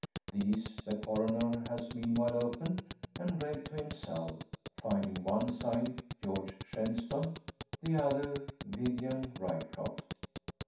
These the Coroner has meanwhile opened, and read to himself, finding one signed "George Shenstone," the other "Vivian Ryecroft."